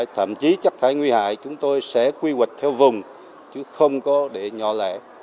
thậm chí chất thải nguy hại chúng tôi sẽ quy hoạch theo vùng chứ không có để nhỏ lẻ